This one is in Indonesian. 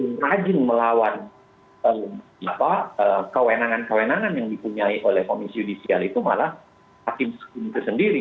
majin melawan kewenangan kewenangan yang dipunyai oleh komisi judisial itu malah hakim sekuntur sendiri